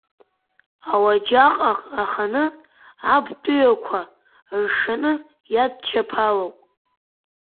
Ауаџьаҟ аханы аб тәыҩақәа ыршаны иадчаԥалоуп.